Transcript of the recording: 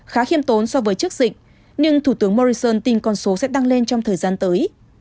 khá khiêm tốn so với trước dịch nhưng thủ tướng morrison tin con số sẽ tăng lên trong thời gian tới